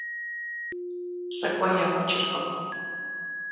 ЛӀыкӀуэ яукӀыркъым.